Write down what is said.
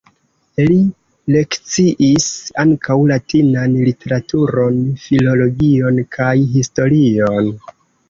Li lekciis ankaŭ latinan literaturon, filologion kaj historion.